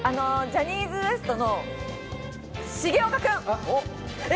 ジャニーズＷＥＳＴの重岡くん。